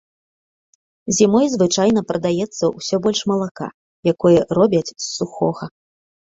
Зімой звычайна прадаецца ўсё больш малака, якое робяць з сухога.